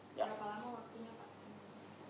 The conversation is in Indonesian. berapa lama waktunya pak